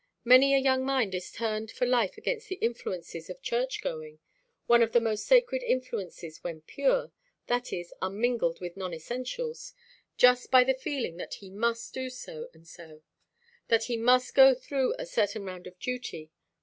Many a young mind is turned for life against the influences of church going one of the most sacred influences when pure, that is, un mingled with non essentials just by the feeling that he must do so and so, that he must go through a certain round of duty.